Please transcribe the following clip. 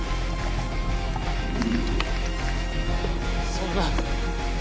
そんな。